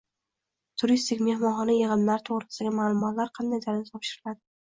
Turistik-mehmonxona yig’imlari to’g’risidagi ma’lumotlar qanday tarzda topshiriladi?